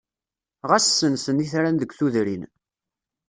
Ɣas ssensen itran deg tudrin.